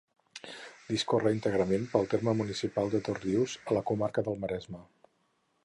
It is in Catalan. Discorre íntegrament pel terme municipal de Dosrius, a la comarca del Maresme.